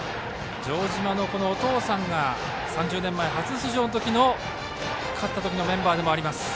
城島のお父さんが３０年前、初出場のときの勝った時のメンバーです。